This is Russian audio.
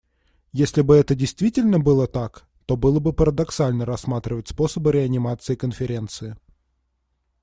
Если бы это действительно было так, то было бы парадоксально рассматривать способы реанимации Конференции.